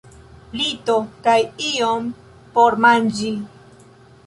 Lito kaj ion por manĝi.